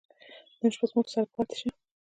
نن شپه زموږ سره پاته سئ.